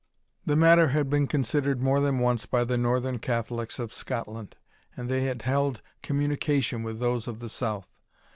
The matter had been considered more than once by the northern Catholics of Scotland, and they had held communication with those of the south.